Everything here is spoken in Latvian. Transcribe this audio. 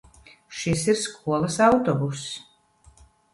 Šis ir skolas autobuss.